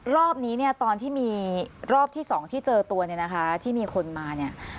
รอบนี้เนี่ยตอนที่มีรอบที่สองที่เจอตัวเนี่ยนะคะที่มีคนมาเนี่ย